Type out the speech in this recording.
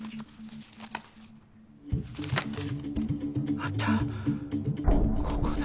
あったここだ。